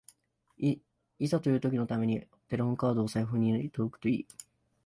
いざという時のためにテレホンカードを財布に入れておくといい